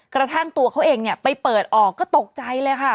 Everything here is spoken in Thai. กระทั่งตัวเขาเองเนี่ยไปเปิดออกก็ตกใจเลยค่ะ